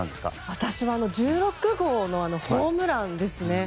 私は１６号のホームランですね。